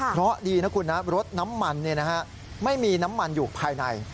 เพราะดีนะคุณนะรถน้ำมันไม่มีน้ำมันอยู่ภายใน